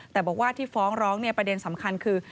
แต่บอกว่าที่ฟ้องร้องประเด็นสำคัญคือ